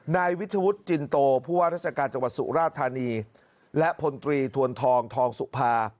นายวิชวุฒิจินโตผู้ว่าราชการจังหวัดสุราธานีและพลตรีทวนทองทองสุภา